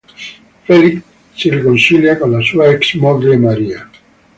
Félix si riconcilia con la sua ex moglie Maria.